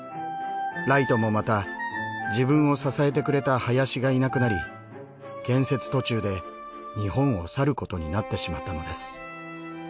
ライトもまた自分を支えてくれた林がいなくなり建設途中で日本を去ることになってしまったのです。